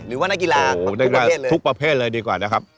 หรือว่านักกีฬากทุกประเภทเลยโอ้โฮนักกีฬากทุกประเภทเลยดีกว่านะครับ